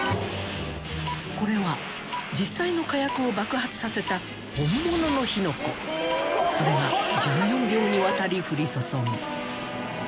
これは実際の火薬を爆発させたそれが１４秒にわたり降り注ぐ